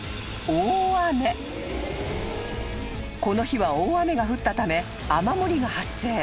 ［この日は大雨が降ったため雨漏りが発生］